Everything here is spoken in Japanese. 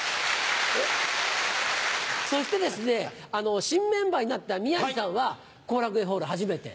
そして新メンバーになった宮治さんは後楽園ホール初めて？